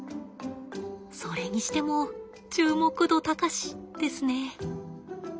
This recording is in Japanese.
それにしても注目度高しですね。